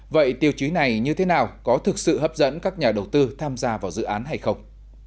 vậy tiêu chí này như thế nào có thực sự hấp dẫn các nhà đầu tư tham gia vào dự án hay không